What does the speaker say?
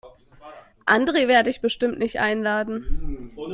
Andre werde ich bestimmt nicht einladen.